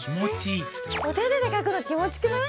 お手手で描くの気持ちくない？